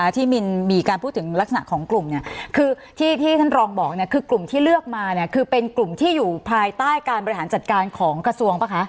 มินมีการพูดถึงลักษณะของกลุ่มเนี่ยคือที่ท่านรองบอกเนี่ยคือกลุ่มที่เลือกมาเนี่ยคือเป็นกลุ่มที่อยู่ภายใต้การบริหารจัดการของกระทรวงป่ะคะ